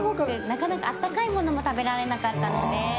なかなか温かいものも食べられなかったので。